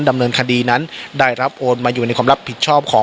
ดำเนินคดีนั้นได้รับโอนมาอยู่ในความรับผิดชอบของ